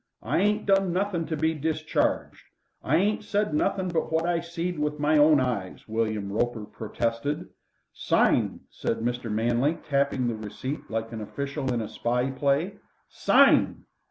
I ain't done nothing to be discharged. I ain't said nothing but what I seed with my own eyes," William Roper protested. "Sign!" said Mr. Manley, tapping the receipt like an official in a spy play. "Sign!"